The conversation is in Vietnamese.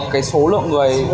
cái số lượng người